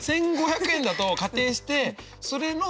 １５００円だと仮定してそれの４０。